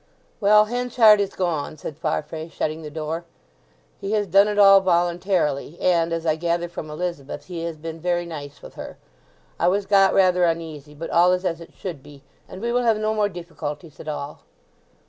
"Well, Henchard is gone," said Farfrae, shutting the door. "He has done it all voluntarily, and, as I gather from Elizabeth, he has been very nice with her. I was got rather uneasy; but all is as it should be, and we will have no more deefficulties at all."